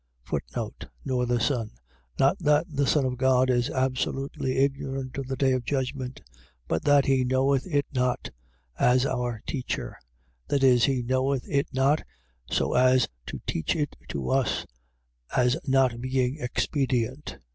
Nor the Son. . .Not that the Son of God is absolutely ignorant of the day of judgment, but that he knoweth it not, as our teacher; that is, he knoweth it not so as to teach it to us, as not being expedient.